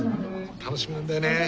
楽しみなんだよねえ。